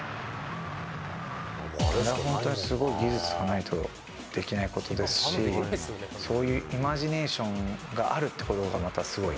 あれは本当に、すごい技術がないとできないことですし、そういうイマジネーションがあるってことが、またすごい。